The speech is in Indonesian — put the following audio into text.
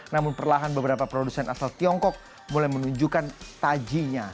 namun perlahan beberapa produsen asal tiongkok mulai menunjukkan tajinya